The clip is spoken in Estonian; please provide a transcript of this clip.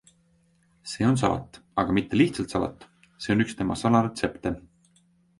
See on salat, aga mitte lihtsalt salat - see on üks tema salaretsepte.